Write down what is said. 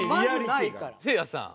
せいやさん。